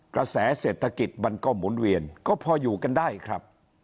กระแสเศรษฐกิจมันก็หมุนเวียนก็พออยู่กันได้ครับ